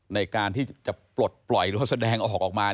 ในการที่จะปลดปล่อยรถแสดงออกมา